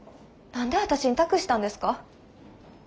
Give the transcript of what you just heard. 何で私に託したんですか？